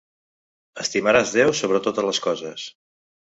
Estimaràs Déu sobre totes les coses.